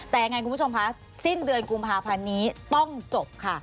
แต่ยังไงคุณผู้ชมคะสิ้นเดือนกุมภาพันธ์นี้ต้องจบค่ะ